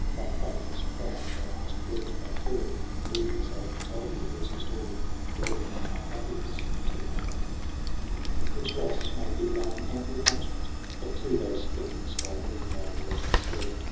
By faithless prying thou hast work'd thy fall. And, even as I foretold thee, losest all For looking on thy happiness too nigh :' Which loss may be thine ample punishment. But to those fiends, by whom thou wert misled.